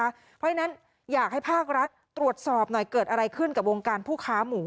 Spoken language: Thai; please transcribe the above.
เพราะฉะนั้นอยากให้ภาครัฐตรวจสอบหน่อยเกิดอะไรขึ้นกับวงการผู้ค้าหมู